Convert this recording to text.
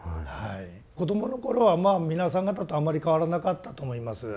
子供の頃はまあ皆さん方とあんまり変わらなかったと思います。